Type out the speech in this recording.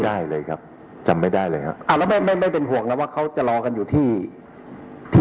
ติดต่อคุณแม่ไหม